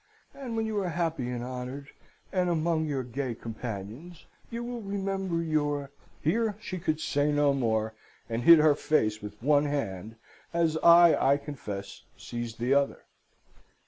And when you are happy and honoured, and among your gay companions, you will remember your ' "Here she could say no more, and hid her face with one hand as I, I confess, seized the other.